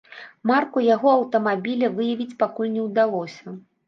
Марку яго аўтамабіля выявіць пакуль не ўдалося.